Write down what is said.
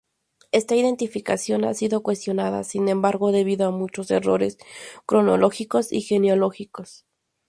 Esta identificación ha sido cuestionada, sin embargo, debido a muchos errores cronológicos y genealógicos.